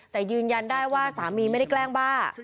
แต่ยืนยันได้ว่าสามีไม่ได้แกล้งบ้า